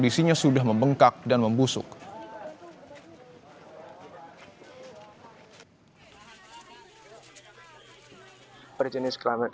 buat memberikan pen mome berfl money